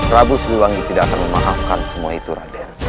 rabu seluwangi tidak akan memahamkan semua itu raden